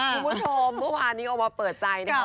คุณผู้ชมเมื่อวานนี้ออกมาเปิดใจนะครับ